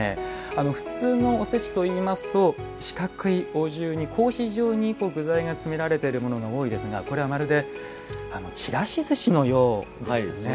普通のおせちといいますと四角いお重に格子状に具材が詰められているものが多いですがこれは、まるでちらしずしのようですね。